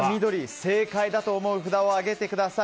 正解だと思う札を上げてください。